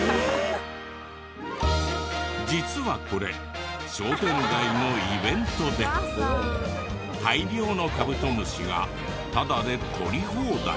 実はこれ商店街のイベントで大量のカブトムシがタダでとり放題。